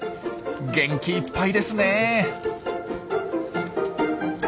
元気いっぱいですねえ！